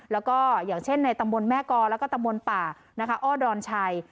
แล้วก็อย่างเช่นในตำบวนแม่กรแล้วก็ตำบวนป่าอ้อดรณ์ชัย